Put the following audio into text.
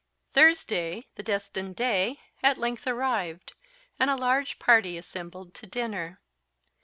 Thursday, the destined day, at length arrived, and a large party assembled to dinner.